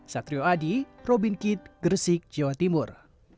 satrio adi robin kitt gresik jawa timur